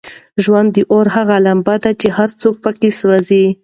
ژوند د اور هغه لمبه ده چې هر څوک پکې سوزي.